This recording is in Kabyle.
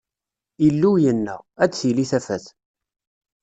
Illu yenna: Ad d-tili tafat!